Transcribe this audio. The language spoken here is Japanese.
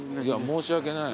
申し訳ない。